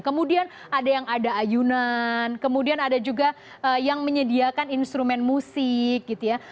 kemudian ada yang ada ayunan kemudian ada juga yang menyediakan instrumen musik gitu ya